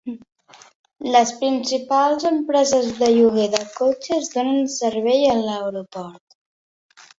Les principals empreses de lloguer de cotxes donen servei a l'aeroport.